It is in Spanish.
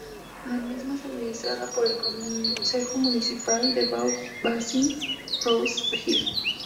La misma es administrada por el Concejo Municipal de Beau-Bassin Rose Hill.